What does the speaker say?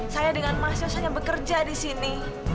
saya dengan emas yosannya bekerja di sini